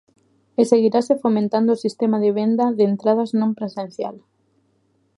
E seguirase fomentando o sistema de venda de entradas non presencial.